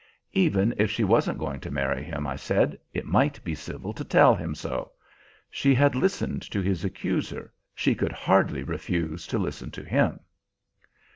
Even if she wasn't going to marry him, I said, it might be civil to tell him so. She had listened to his accuser; she could hardly refuse to listen to him.